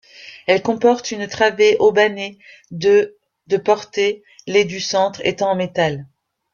Elle comporte une travée haubanée de de portée, les du centre étant en métal.